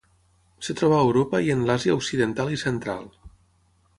Es troba a Europa i en l'Àsia occidental i central.